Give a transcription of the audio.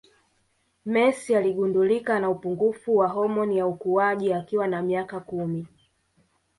Messi aligundulika ana upungufu wa homoni ya ukuaji akiwa na miaka kumi